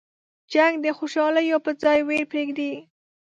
جنګ د خوشحالیو په ځای ویر پرېږدي.